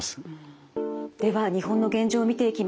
では日本の現状を見ていきます。